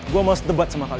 gue mau se debat sama kamu